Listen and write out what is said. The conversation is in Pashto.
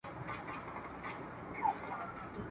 پر لمن د ګل غونډۍ یم رغړېدلی ..